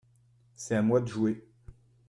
c'est à moi de jouer.